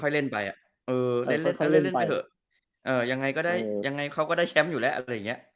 ค่อยเล่นไปอ่ะเออเล่นไปเถอะเออยังไงเขาก็ได้แชมป์อยู่แล้วอะไรอย่างเงี้ย